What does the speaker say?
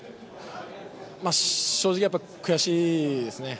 正直悔しいですね。